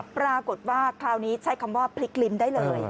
ปรากฏว่าคราวนี้ใช้คำว่าพลิกลิ้มได้เลย